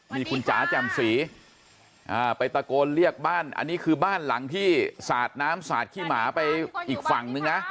นี่คุณจ๋าแจ่มสีไปตะโกนเรียกบ้านอันนี้คือบ้านหลังที่สาดน้ำสาดขี้หมาไปอีกฝั่งนึงนะ